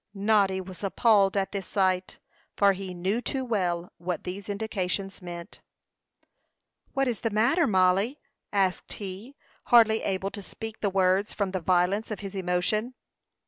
Noddy was appalled at this sight, for he knew too well what these indications meant. "What is the matter, Mollie?" asked he, hardly able to speak the words from the violence of his emotion.